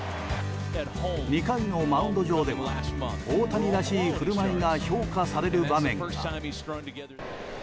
２回のマウンド上では大谷らしい振る舞いが評価される場面が。